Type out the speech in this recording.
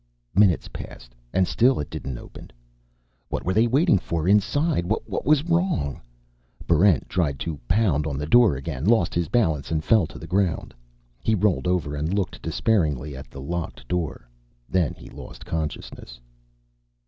Minutes passed, and still it didn't open. What were they waiting for inside? What was wrong? Barrent tried to pound on the door again, lost his balance and fell to the ground. He rolled over and looked despairingly at the locked door. Then he lost consciousness.